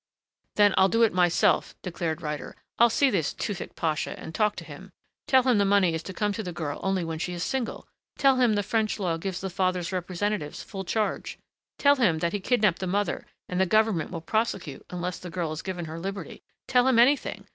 "Then I'll do it myself," declared Ryder. "I'll see this Tewfick Pasha and talk to him. Tell him the money is to come to the girl only when she is single. Tell him the French law gives the father's representatives full charge. Tell him that he kidnapped the mother and the government will prosecute unless the girl is given her liberty. Tell him anything.